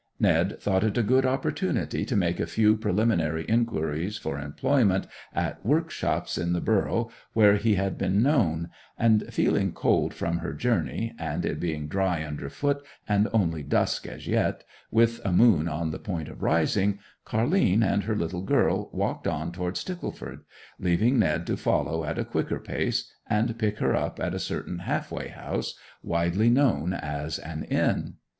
Ned thought it a good opportunity to make a few preliminary inquiries for employment at workshops in the borough where he had been known; and feeling cold from her journey, and it being dry underfoot and only dusk as yet, with a moon on the point of rising, Car'line and her little girl walked on toward Stickleford, leaving Ned to follow at a quicker pace, and pick her up at a certain half way house, widely known as an inn.